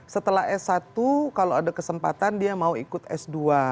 setelah s satu kalau ada kesempatan dia mau ikut s dua